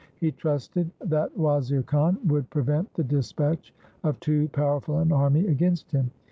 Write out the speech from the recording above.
He trusted that Wazir Khan would prevent the dispatch of too powerful an army against him.